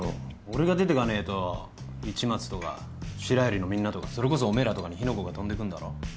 俺が出てかねえと市松とか白百合のみんなとかそれこそおめえらとかに火の粉が飛んでくんだろ？